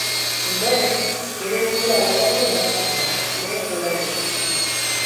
Ondoren, bere burua bota du emakumeak, lehen solairutik.